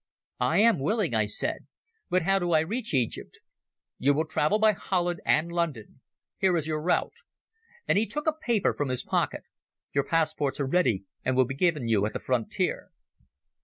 "I am willing," I said. "But how do I reach Egypt?" "You will travel by Holland and London. Here is your route," and he took a paper from his pocket. "Your passports are ready and will be given you at the frontier."